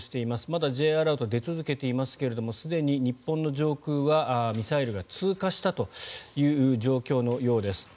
まだＪアラートが出続けていますがすでに日本の上空はミサイルが通過したという状況のようです。